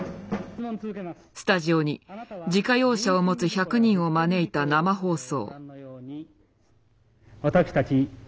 スタジオに自家用車を持つ１００人を招いた生放送。